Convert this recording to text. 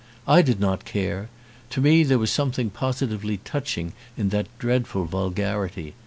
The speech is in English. I did not care: to me there was something positively touching in that dreadful vulgarity.